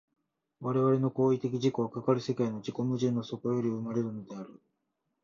我々の行為的自己は、かかる世界の自己矛盾の底より生まれるのである。